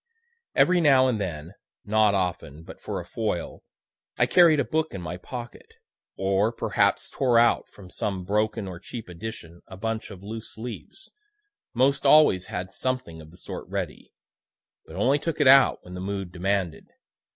Every now and then, (not often, but for a foil,) I carried a book in my pocket or perhaps tore out from some broken or cheap edition a bunch of loose leaves; most always had something of the sort ready, but only took it out when the mood demanded.